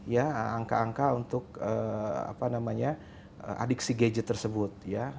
ya angka angka untuk adiksi gadget tersebut ya